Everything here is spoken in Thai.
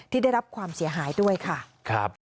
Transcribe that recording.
ที่ได้รับความเสียหายด้วยค่ะ